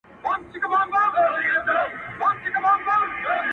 له قاصده سره نسته سلامونه٫